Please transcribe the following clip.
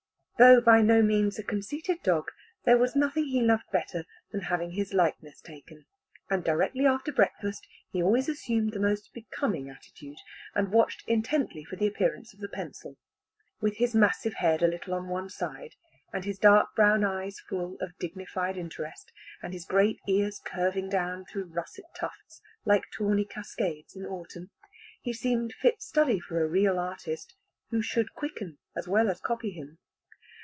Though by no means a conceited dog, there was nothing he loved better than having his likeness taken; and directly after breakfast he always assumed the most becoming attitude, and watched intently for the appearance of the pencil with his massive head a little on one side, and his dark brown eyes full of dignified interest, and his great ears curving down through russet tufts, like tawny cascades in autumn, he seemed fit study for a real artist, who should quicken as well as copy him.